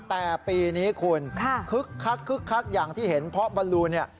แต่ปีนี้คุณคุ้กคุ้กอย่างที่เห็นเพราะอลลูนนี่